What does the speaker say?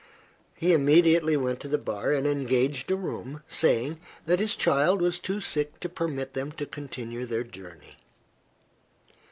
He immediately went to the bar and engaged a room, saying that his child was too sick to permit them to continue their journey.